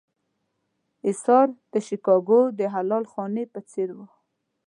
اېثار د شیکاګو د حلال خانې په څېر و.